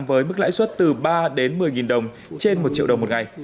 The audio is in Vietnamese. với mức lãi suất từ ba đến một mươi đồng trên một triệu đồng một ngày